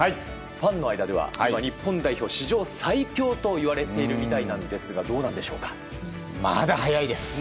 ファンの間では今、日本代表史上最強といわれているみたいなんですがまだ早いです！